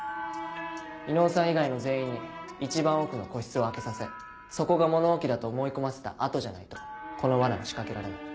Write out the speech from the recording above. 伊能さん以外の全員に一番奥の個室を開けさせそこが物置だと思い込ませた後じゃないとこの罠は仕掛けられない。